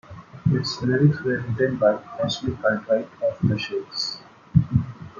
Its lyrics were written by Ashley Cartwright of The Shakes.